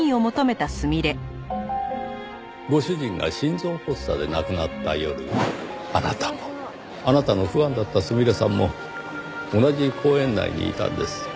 ご主人が心臓発作で亡くなった夜あなたもあなたのファンだったすみれさんも同じ公園内にいたんです。